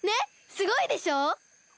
すごいでしょ？